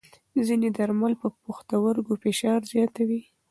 ځینې درمل پر پښتورګو فشار زیاتوي.